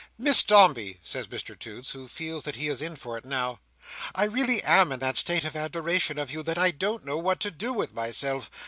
"Miss Dombey," says Mr Toots, who feels that he is in for it now, "I really am in that state of adoration of you that I don't know what to do with myself.